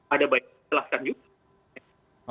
ada banyak yang dijelaskan juga